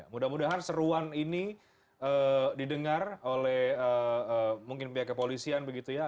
mudah mudahan seruan ini didengar oleh mungkin pihak kepolisian begitu ya